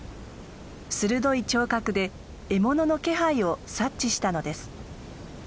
鋭い聴覚で獲物の気配を察知したのです。